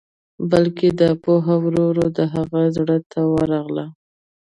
بلکې دا پوهه ورو ورو د هغه زړه ته ورغله.